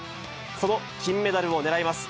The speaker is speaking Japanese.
その金メダルを狙います